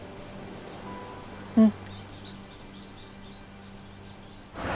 うん。